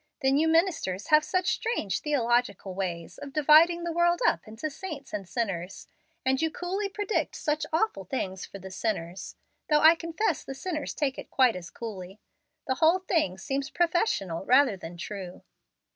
Then you ministers have such strange theological ways of dividing the world up into saints and sinners, and you coolly predict such awful things for the sinners (though I confess the sinners take it quite as coolly). The whole thing seems professional rather than true."